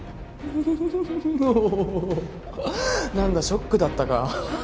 ショックだったか？